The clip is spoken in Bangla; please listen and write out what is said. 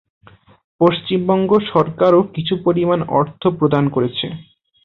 পশ্চিমবঙ্গ সরকারও কিছু পরিমাণ অর্থ প্রদান করেছে।